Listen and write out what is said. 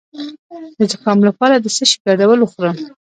د زکام لپاره د څه شي ګډول وخورم؟